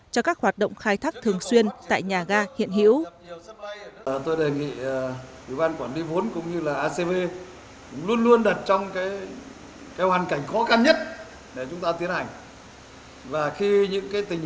cho các hoạt động khai thác thường xuyên tại nhà ga hiện hữu